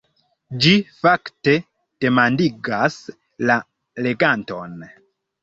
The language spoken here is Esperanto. Ĝi fakte demandigas la leganton.